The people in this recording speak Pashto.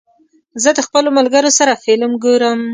زه د خپلو ملګرو سره فلم ګورم.